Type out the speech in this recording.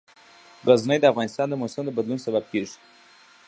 غزني د افغانستان د موسم د بدلون سبب کېږي.